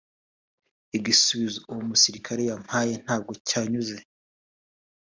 Igisubizo uwo musirikare yampaye ntabwo cyanyuze